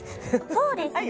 そうですね。